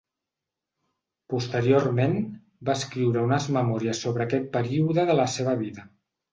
Posteriorment va escriure unes memòries sobre aquest període de la seva vida.